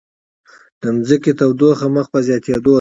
د ځمکې تودوخه مخ په زیاتیدو ده